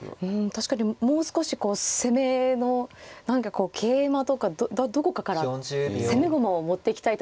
確かにもう少しこう攻めの何かこう桂馬とかどこかから攻め駒を持ってきたいところですよね。